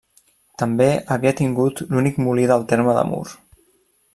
També havia tingut l'únic molí del terme de Mur.